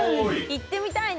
いってみたいな。